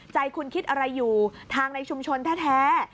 ใจคุณคิดอะไรอยู่ทางในชุมชนแท้